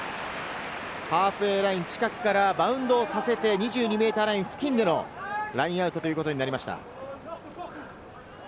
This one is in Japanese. ハーフウェイライン近くからバウンドをさせて、２２ｍライン付近でのラインアウトということになりました。